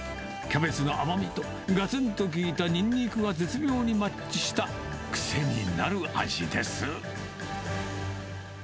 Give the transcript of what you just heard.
キャベツの甘みとがつんと効いたニンニクが絶妙にマッチした、癖になる味です。